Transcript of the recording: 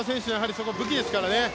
そこが武器ですからね。